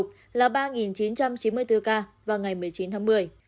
cái lục là ba chín trăm chín mươi bốn ca vào ngày một mươi chín tháng một mươi